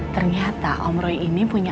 ternyata om roy ini punya